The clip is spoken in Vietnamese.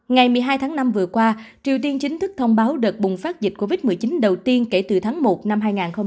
ngày một mươi hai tháng năm vừa qua triều tiên chính thức thông báo đợt bùng phát dịch covid một mươi chín đầu tiên kể từ tháng một năm hai nghìn hai mươi